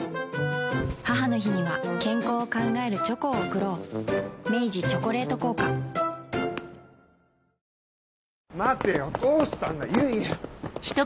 母の日には健康を考えるチョコを贈ろう明治「チョコレート効果」待てよどうしたんだよ唯！